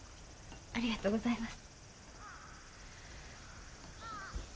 ありがとうございます。